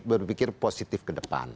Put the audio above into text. berpikir positif ke depan